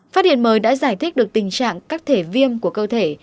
phát hiện mới đã giải thích được tình trạng các thể viêm của cơ thể